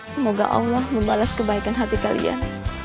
semoga allah membalas kebaikan hati kalian